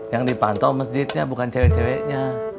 yang dipantau masjidnya bukan cewek ceweknya